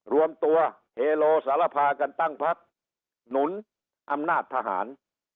รวมตัวเฮโลสารพากันตั้งพักหนุนอำนาจทหาร